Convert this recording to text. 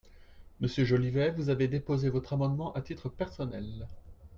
Monsieur Jolivet, vous avez déposé votre amendement à titre personnel.